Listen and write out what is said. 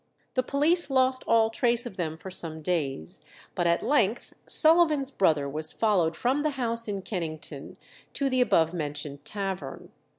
The police lost all trace of them for some days, but at length Sullivan's brother was followed from the house in Kennington to the above mentioned tavern.